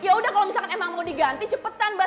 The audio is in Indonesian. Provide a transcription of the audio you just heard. yaudah kalau misalkan emang mau diganti cepetan mbak